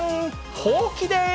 ほうきです。